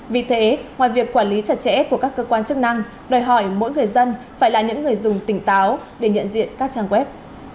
vì thế ngoài việc quản lý chặt chẽ của các cơ quan chức năng đòi hỏi mỗi người dân phải là những người dùng tỉnh táo để nhận diện các trang web